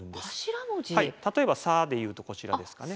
はい例えば「さ」で言うとこちらですかね。